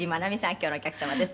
今日のお客様です」